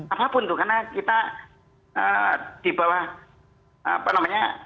apapun tuh karena kita di bawah apa namanya